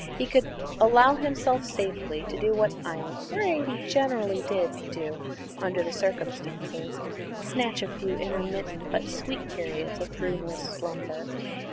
He could allow himself safely to do what I am afraid he generally did do under the circumstances snatch a few intermittent but sweet periods of dreamless slumber.